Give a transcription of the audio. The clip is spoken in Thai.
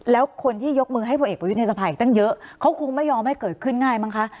แล้วคนที่ยกมือให้ผลเอกประยุทธ์ในสภาอีกตั้งเยอะเขาคงไม่ยอมให้เกิดขึ้นง่ายมั้งคะ